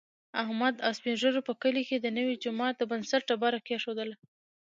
احمد او سپین ږېرو په کلي کې د نوي جوما د بنسټ ډبره کېښودله.